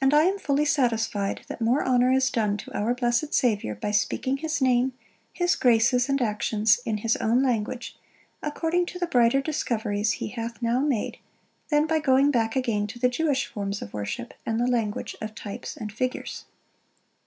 And I am fully satisfied, that more honor is done to our blessed Saviour, by speaking his name, his graces, and actions, in his own language, according to the brighter discoveries he hath now made, than by going back again to the Jewish forms of worship, and the language of types and figures."